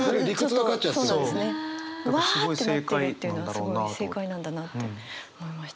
わあってなってるというのがすごい正解なんだなって思いました。